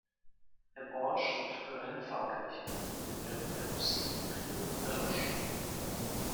Im Ort stand früher eine Pfarrkirche, die während der Hussitenkriege erlosch.